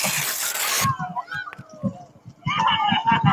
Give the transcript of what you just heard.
卜睿哲。